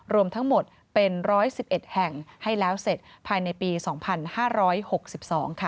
รวมทั้งหมดเป็น๑๑๑แห่งให้แล้วเสร็จภายในปี๒๕๖๒ค่ะ